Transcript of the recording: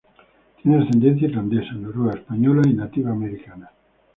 Tiene ascendencia irlandesa, noruega, española y nativa americana.